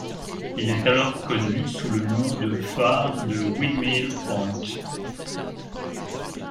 Il est alors connu sous le nom de phare de Windmill Point.